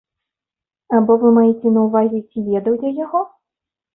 Або вы маеце на ўвазе, ці ведаў я яго?